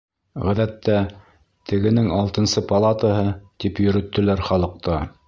Ғәҙәттә, «тегенең алтынсы палатаһы» тип йөрөттөләр халыҡта.